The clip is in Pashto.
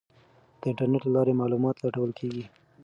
د انټرنیټ له لارې معلومات لټول کیږي.